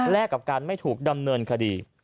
กับการไม่ถูกดำเนินคดี